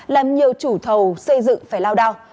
làm nhiều chủ thầu xây dựng phải lao đao